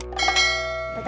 tiba tiba aku sedih di amerika